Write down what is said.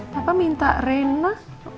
papa minta rena